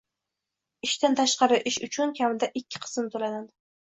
Ishdan tashqari ish uchun kamida ikki qism to'lanadi